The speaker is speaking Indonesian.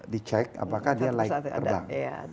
di cek apakah dia like terbang